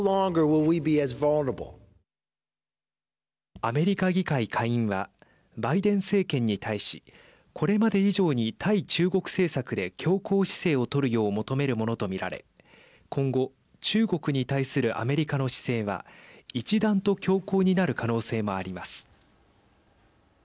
アメリカ議会下院はバイデン政権に対しこれまで以上に対中国政策で強硬姿勢を取るよう求めるものと見られ今後中国に対するアメリカの姿勢は一段と強硬になる可能性もあります。